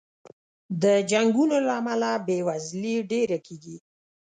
د جنګونو له امله بې وزلي ډېره کېږي.